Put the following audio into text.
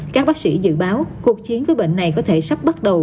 các bác sĩ dự báo cuộc chiến với bệnh này có thể sắp bắt đầu